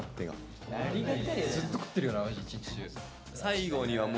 ずっと食ってるよなマジ一日中。